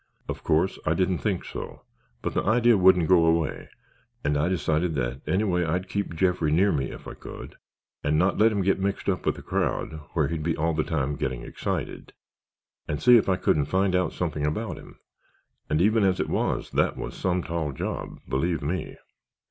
Of course, I didn't think so but the idea wouldn't go away and I decided that anyway I'd keep Jeffrey near me if I could and not let him get mixed up with the crowd where he'd be all the time getting excited, and see if I couldn't find out something about him. And even as it was, that was some tall job, believe me."